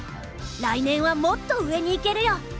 来年はもっと上にいけるよ。